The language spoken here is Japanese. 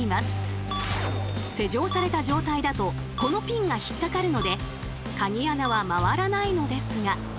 施錠された状態だとこのピンが引っかかるのでカギ穴は回らないのですが。